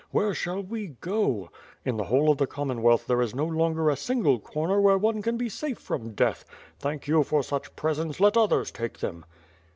Where shall we go? In the w^hole of the Commonwealth, there is no longer a single corner where one can be safe from death. Thank you for such presents, let others take them!"